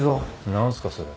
何すかそれ。